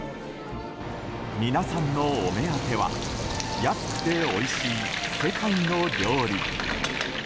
皆さんのお目当ては安くておいしい世界の料理。